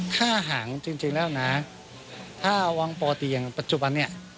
ท่าหางจริงแล้วนะท่าวังโปรติอย่างปัจจุบันนี้